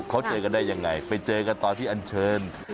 เขาเจอกันได้ยังไงไปเจอกันตอนที่อันเชิญ